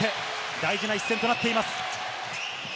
大事な一戦となっています。